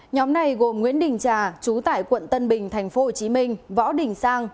nhóm này gồm nguyễn đình trà chú tại quận tân bình tp hcm võ đình sang